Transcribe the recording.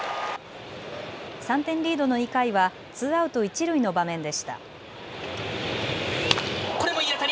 ３点リードの２回はツーアウト一塁の場面でした。